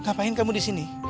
ngapain kamu di sini